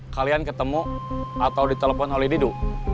kalian ketemu atau ditelepon oleh didu